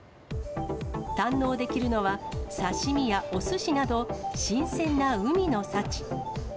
堪能できるのは、刺身やおすしなど、新鮮な海の幸。